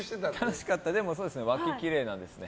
でも、わき、きれいなんですね。